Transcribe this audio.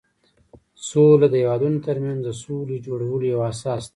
سوله د هېوادونو ترمنځ د صلحې جوړولو یوه اساس ده.